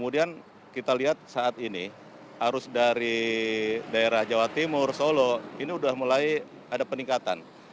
dan kita lihat saat ini arus dari daerah jawa timur solo ini sudah mulai ada peningkatan